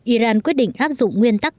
iran quyết định áp dụng nguyên tắc